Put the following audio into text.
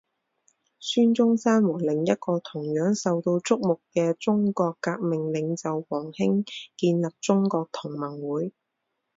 孙中山和另一个同样受到瞩目的中国革命领袖黄兴建立中国同盟会。